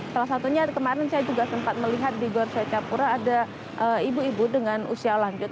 salah satunya kemarin saya juga sempat melihat di gor swecapura ada ibu ibu dengan usia lanjut